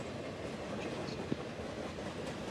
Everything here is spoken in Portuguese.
audiências